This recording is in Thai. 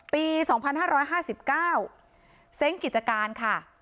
ปีสองพันห้าร้อยห้าสิบเก้าเซ็งกิจการค่ะ